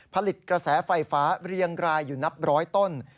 ผลิตกระแสไฟฟ้าเรียงรายอยู่นับร้อยต้น